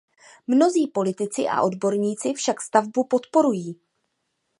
Mnozí politici a odborníci však stavbu podporují.